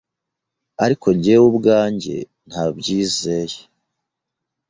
ariko jyewe ubwanjye ntabyizeye.